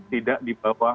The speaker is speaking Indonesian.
tidak di bawah